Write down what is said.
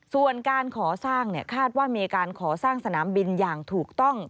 ส่วนการก่อสร้างคาดว่ามีการขอสร้างสนามบินอย่างถูกต้อง